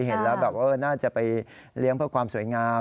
เห็นแล้วแบบน่าจะไปเลี้ยงเพื่อความสวยงาม